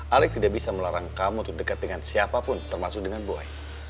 alec tidak bisa melarang kamu untuk deket dengan siapapun termasuk dengan boy